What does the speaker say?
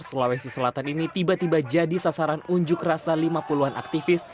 sulawesi selatan ini tiba tiba jadi sasaran unjuk rasa lima puluh an aktivis